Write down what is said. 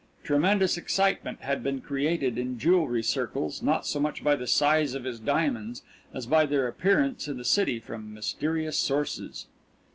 Tremendous excitement had been created in jewellery circles, not so much by the size of his diamonds as by their appearance in the city from mysterious sources.